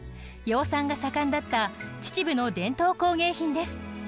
養蚕が盛んだった秩父の伝統工芸品です。